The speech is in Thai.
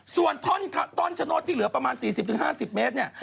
ส่วนต้นชะโนธที่เหลือประมาณ๔๐๕๐เมตรเนี่ย